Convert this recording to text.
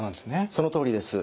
そのとおりです。